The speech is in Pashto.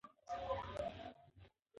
ویښتې غوړول د روغتیا لپاره ګټور دي.